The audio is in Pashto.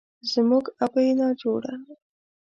زموږ ابۍ ناجوړه